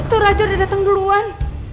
itu raja udah datang duluan